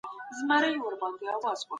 شخصي ګټي له عامه ګټو مه قربانوي.